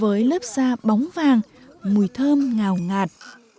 với lớp da bóng vàng mùi thơm ngào ngạt